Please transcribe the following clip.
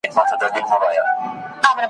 كه پر مځكه شيطانان وي او كه نه وي ,